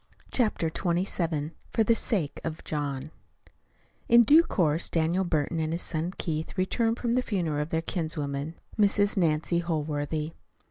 CHAPTER XXVII FOR THE SAKE OF JOHN In due course Daniel Burton and his son Keith returned from the funeral of their kinswoman, Mrs. Nancy Holworthy.